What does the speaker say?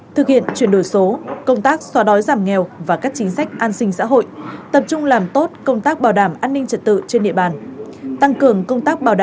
thực hiện chuyển đổi số công tác xóa đói giảm nghèo và các chính sách an sinh xã hội tập trung làm tốt công tác bảo đảm an ninh trật tự trên địa bàn